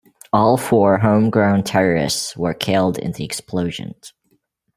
All four homegrown terrorists were killed in the explosions.